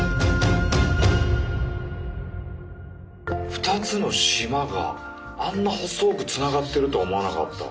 ２つの島があんな細くつながってるとは思わなかった。